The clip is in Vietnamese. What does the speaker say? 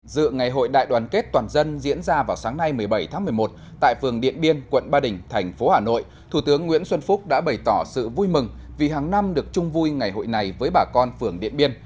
dự ngày hội đại đoàn kết toàn dân diễn ra vào sáng nay một mươi bảy tháng một mươi một tại phường điện biên quận ba đình thành phố hà nội thủ tướng nguyễn xuân phúc đã bày tỏ sự vui mừng vì hàng năm được chung vui ngày hội này với bà con phường điện biên